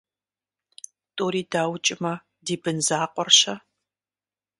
- ТӀури даукӀмэ, ди бын закъуэр - щэ?